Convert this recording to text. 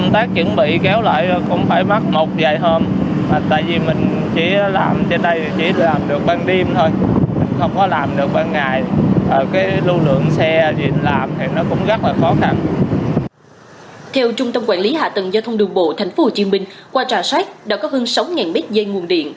theo trung tâm quản lý hạ tầng giao thông đường bộ tp hcm qua trà sát đã có hơn sáu mét dây nguồn điện